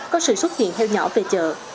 có sự xuất hiện heo nhỏ về chợ